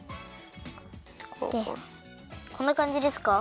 こんなかんじですか？